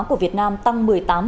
của việt nam tăng một mươi tám